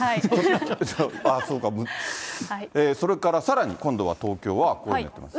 そうか、それからさらに、今度は東京はこういうことをやっています。